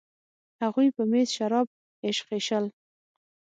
هغوی په میز شراب ایشخېشل.